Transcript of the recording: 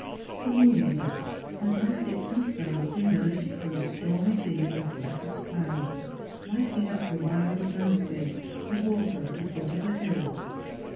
The moou was up, and by fits and starts emerged from a stormy sea of blackest clouds, lighting up the wild landscape, the water at the foot of the hill.